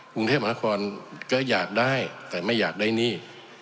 กรุงเทพมหานครก็อยากได้แต่ไม่อยากได้หนี้